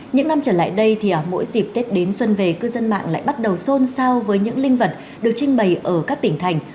những năm trở lại đây thì mỗi dịp tết đến xuân về cư dân mạng lại bắt đầu xôn xao với những linh vật được trưng bày ở các tỉnh thành